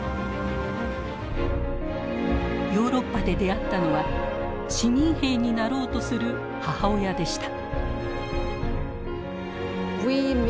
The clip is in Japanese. ヨーロッパで出会ったのは市民兵になろうとする母親でした。